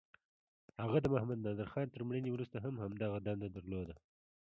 هغه د محمد نادرخان تر مړینې وروسته هم همدغه دنده درلوده.